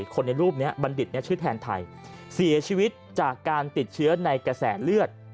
คนในรูปนี้บัณฑิตชื่อแทนไทยเสียชีวิตจากการติดเชื้อในกระแสเลือด